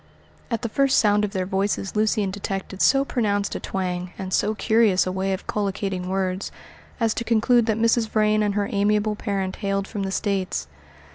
At the first sound of their voices Lucian detected so pronounced a twang, and so curious a way of collocating words, as to conclude that Mrs. Vrain and her amiable parent hailed from the States.